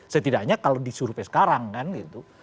setidaknya kalau disuruhnya sekarang kan gitu